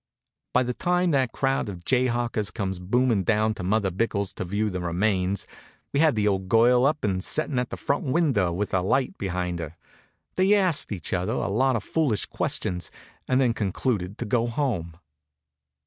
By the time that crowd of jay hawkers comes boomin' down to Mother Bickell's to view the remains we had the old girl up and settin' at the front window with a light behind her. They asked each other a lot of foolish questions and then concluded to go home.